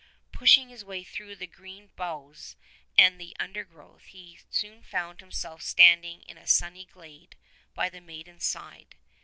Pushing his way through the green boughs and the undergrowth he soon found himself standing in a sunny glade by the maiden's side.